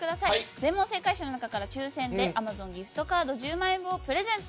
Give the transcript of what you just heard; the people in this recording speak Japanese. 全問正解者の中から抽選でアマゾンギフトカード１０万円分をプレゼント。